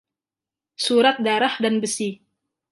Surat Darah dan Besi.